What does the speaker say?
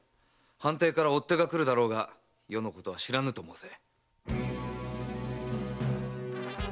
藩邸から追手が来るだろうが余のことは知らぬと申せ。